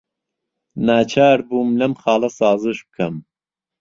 ناچار بووم لەم خاڵە سازش بکەم.